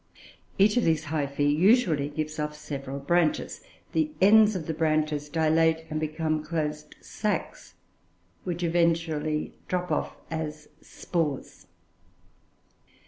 Each of these hyphoe usually gives off several branches. The ends of the branches dilate and become closed sacs, which eventually drop off as spores.